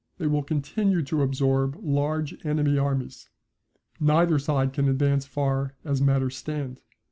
They will continue to absorb large enemy armies. Neither side can advance far as matters stand.